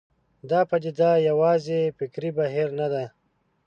دا پدیده یوازې فکري بهیر نه ده.